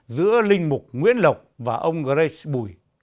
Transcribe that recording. giữa linh mục nguyễn lộc và ông grace bùi